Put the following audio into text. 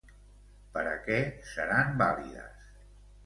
Per a què seran vàlides?